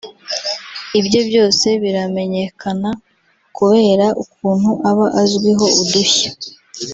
ibye byose biramenyekana kubera ukuntu aba azwiho udushya